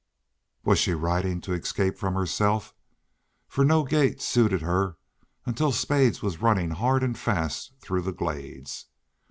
Was she riding to escape from herself? For no gait suited her until Spades was running hard and fast through the glades.